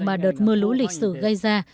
và đợt mưa lũ lịch sử gây ra